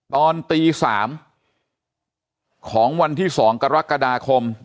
ตอนตี๓ของวันที่๒กรกฎาคม